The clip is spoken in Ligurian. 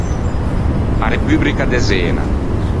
A Repubrica de Zena.